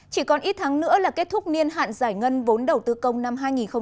chỉ còn ít tháng nữa là kết thúc niên hạn giải ngân vốn đầu tư công năm hai nghìn hai mươi